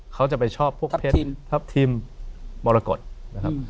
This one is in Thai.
เขาจะไปชอบพวกเพชรทัพทีมมรกฏนะครับ